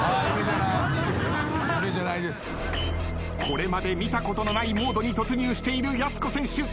これまで見たことのないモードに突入しているやす子選手。